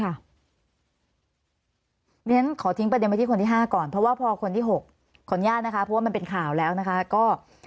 เพราะฉะนั้นขอทิ้งประเด็นไปที่คนที่๕ก่อนเพราะว่าพอคนที่๖ขออนุญาตนะคะเพราะว่ามันเป็นข่าวแล้วนะคะก็